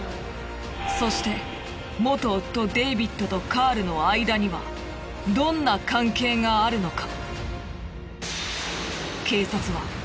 そして元夫デイビッドとカールの間にはどんな関係があるのか？